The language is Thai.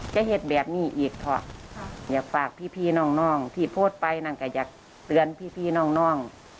จะเห็นแบบนี้อีกค่ะอยากฝากพี่น้องที่โพสต์ไปนั่นก็อยากเตือนพี่น้อง